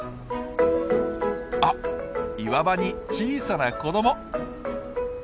あっ岩場に小さな子ども！